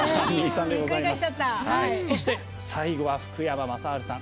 そして、最後は福山雅治さん